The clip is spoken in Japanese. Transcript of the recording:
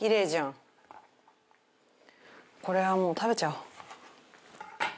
これはもう食べちゃおう。